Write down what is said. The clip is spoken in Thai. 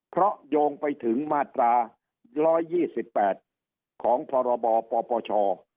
เพราะโยงไปถึงมาตรา๑๒๘ของพรบปปช